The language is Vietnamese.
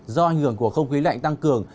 do ảnh hưởng của không khí lạnh tăng cường